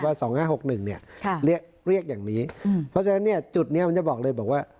๒๕๖๑เนี่ยเรียกอย่างนี้เพราะฉะนั้นเนี่ยจุดนี้มันจะบอกเลยบอกว่า